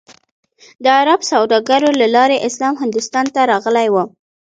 د عرب سوداګرو له لارې اسلام هندوستان ته راغلی و.